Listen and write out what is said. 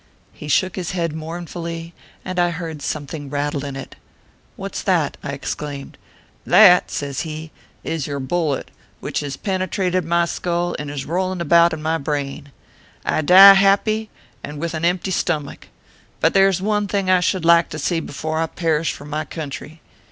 He shook his head mournfully, and I heard some thing rattle in it. " What s that ?" I exclaimed. " That," says he, " is your bullet, which has pene trated my skull, and is rolling about in my brain. I die happy, and with an empty stomach ; but there is one thing I should like to see before I perish for my country.